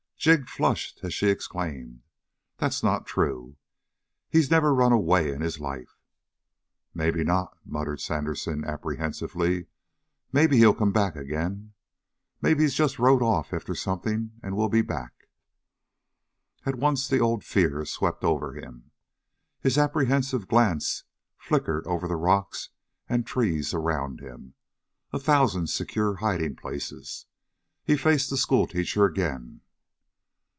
Jig flushed, as she exclaimed: "That's not true. He's never run away in his life." "Maybe not," muttered Sandersen apprehensively. "Maybe he'll come back ag'in. Maybe he's just rode off after something and will be back." At once the old fear swept over him. His apprehensive glance flickered over the rocks and trees around him a thousand secure hiding places. He faced the schoolteacher again.